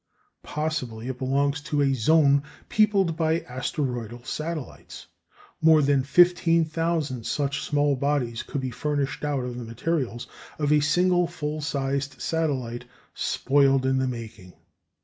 Possibly it belongs to a zone peopled by asteroidal satellites. More than fifteen thousand such small bodies could be furnished out of the materials of a single full sized satellite spoiled in the making.